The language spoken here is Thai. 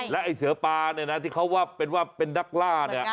และไอ้เสือปลาเนี่ยนะที่เขาว่าเป็นว่าเป็นนักล่าเนี่ย